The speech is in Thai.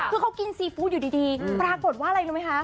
คือเขากินซีฟู้ดอยู่ดีปรากฏว่าอะไรรู้ไหมคะ